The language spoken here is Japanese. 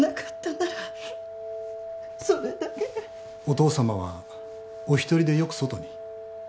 お父さまはお一人でよく外に？